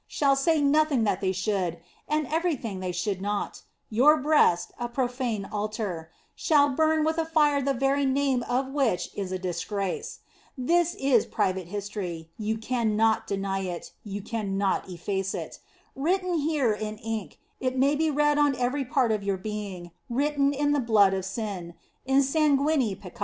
f shall say nothing that they should, and every thing they should not ; your breast, a profane altar, shall burn with a fire the very name of which is a disgrace. This is private history. You can not deny it; you cannot efface it. Written here with ink, it may be read on every part of your being, written with the blood of sin, in sanguine peccati.